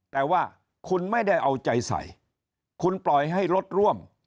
แต่ว่าคุณไม่ได้เอาใจใส่คุณปล่อยให้รถร่วม